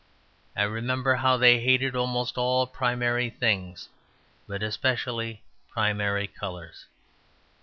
I remembered how they hated almost all primary things, but especially primary colours.